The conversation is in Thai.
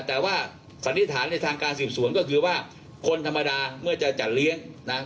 แต่ว่าสันนิษฐานในทางการสืบสวนก็คือว่าคนธรรมดาเมื่อจะจัดเลี้ยงนะ